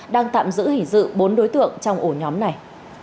đang tạm giữ hình sự bốn đối tượng trong ổ nhóm này